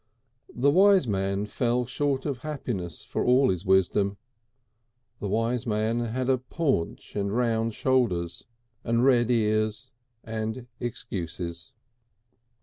The wise man fell short of happiness for all his wisdom. The wise man had a paunch and round shoulders and red ears and excuses.